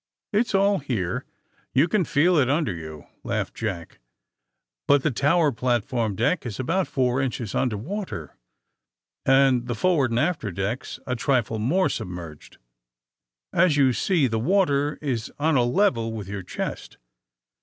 '^It's all here. You can feel it under you," laughed Jack. *^But the tower platform deck is about four inches under water, and the for ward and after decks a trifle more submerged. As you see, the water is on a level with your chest.